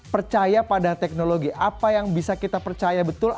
percaya pada teknologi apa yang bisa kita percaya betul